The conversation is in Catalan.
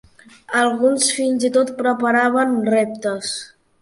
Alguns fins i tot preparaven reptes.